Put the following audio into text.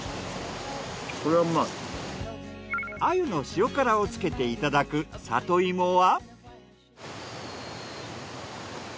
鮎の塩辛をつけていただく里芋は？